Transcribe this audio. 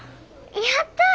やった！